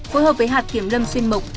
phối hợp với hạt kiểm lâm xuyên mộc